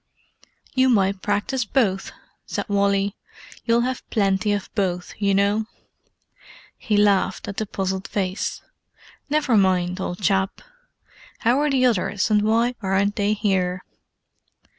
"You might practise both," said Wally. "You'll have plenty of both, you know." He laughed at the puzzled face. "Never mind, old chap. How are the others, and why aren't they here?"